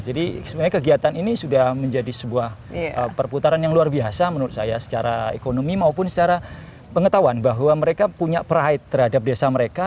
jadi sebenarnya kegiatan ini sudah menjadi sebuah perputaran yang luar biasa menurut saya secara ekonomi maupun secara pengetahuan bahwa mereka punya pride terhadap desa mereka